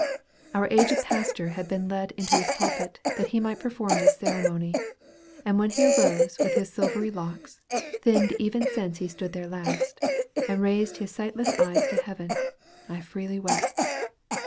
Our aged pastor had been led into his pulpit, that he might perform this ceremony; and when he arose with his silvery locks, thinned even since he stood there last, and raised his sightless eyes to heaven, I freely wept.